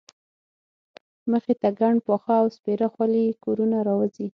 مخې ته ګڼ پاخه او سپېره خولي کورونه راوځي.